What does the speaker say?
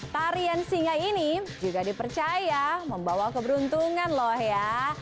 tarian singa ini juga dipercaya membawa keberuntungan loh ya